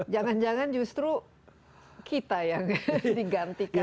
jangan jangan justru kita yang digantikan